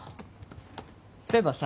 そういえばさ